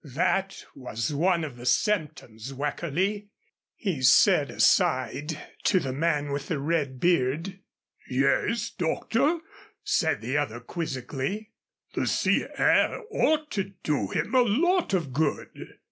"That was one of the symptoms, Weckerly," he said aside to the man with the red beard. "Yes, Doctor," said the other quizzically. "The sea air ought to do him a lot of good."